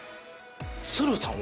鶴さん